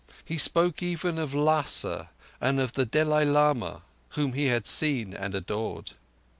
He spoke even of Lhassa and of the Dalai Lama, whom he had seen and adored.